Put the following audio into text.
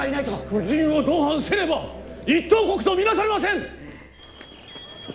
夫人を同伴せねば一等国と見なされません！